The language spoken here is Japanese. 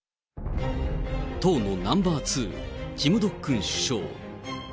党のナンバー２、キム・ドックン首相。